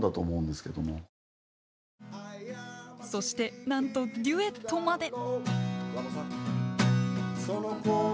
そしてなんとデュエットまで！